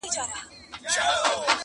o درياب که لوى دئ، چمچۍ دي خپله ده!